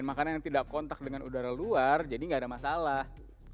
makanan yang tidak kontak dengan udara luar jadi gak ada masalah